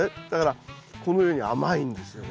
だからこのように甘いんです。